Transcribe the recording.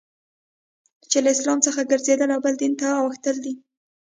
چي له اسلام څخه ګرځېدل او بل دین ته اوښتل دي.